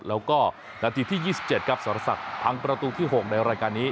แล้วก็นาทีที่๒๗ครับสรศักดิ์พังประตูที่๖ในรายการนี้